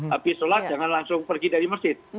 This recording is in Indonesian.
tapi sholat jangan langsung pergi dari masjid